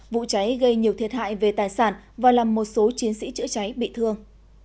vụ cháy gây nhiều thiệt hại về tài sản và làm một số chiến sĩ chữa cháy bị thương